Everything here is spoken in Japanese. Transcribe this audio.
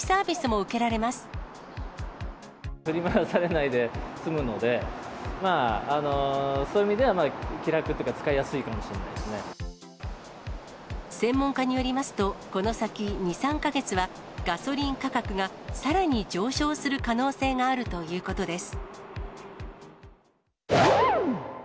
振り回されないで済むので、そういう意味では、気楽というか、専門家によりますと、この先、２、３か月は、ガソリン価格がさらに上昇する可能性があるということです。